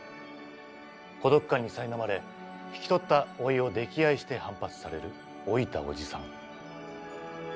孤独感にさいなまれ引き取った甥を溺愛して反発される老いた伯父さん。